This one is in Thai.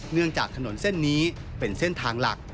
เนื่องจากถนนเส้นนี้เป็นเส้นทางหลัก